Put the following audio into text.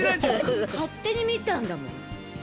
勝手に見たんだもん。